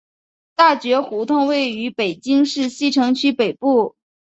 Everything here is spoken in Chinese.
大觉胡同位于北京市西城区北部。